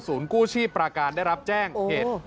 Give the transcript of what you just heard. กู้ชีพปราการได้รับแจ้งเหตุ